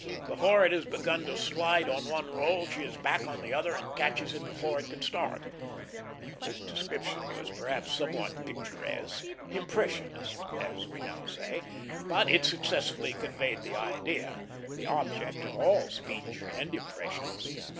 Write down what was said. "Before it has begun to slide on one roll, she is back on the other, and catches it before it can start." This description was perhaps somewhat picturesque impressionist, as we now say; but it successfully conveyed the idea, the object of all speech and impressions.